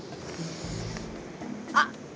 あっ！